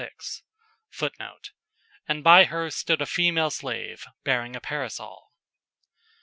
[Footnote: "And by her stood a female slave, bearing a parasol."